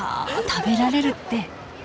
食べられるって。